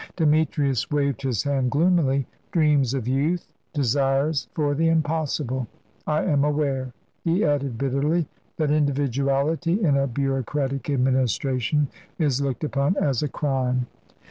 Demetrius waved his hand gloomily. "Dreams of youth desires for the impossible. I am aware," he added bitterly, "that individuality in a bureaucratic administration is looked upon as a crime."